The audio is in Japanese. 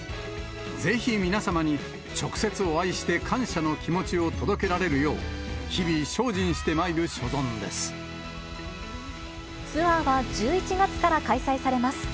ぜひ皆様に直接お会いして、感謝の気持ちを届けられるよう、ツアーは１１月から開催されます。